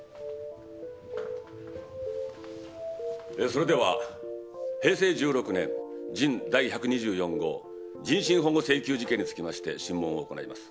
えーそれでは平成１６年人第１２４号人身保護請求事件につきまして審問を行います。